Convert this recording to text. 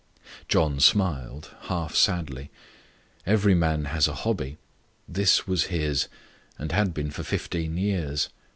John smiled, half sadly. Every man has a hobby this was his, and had been for fifteen years.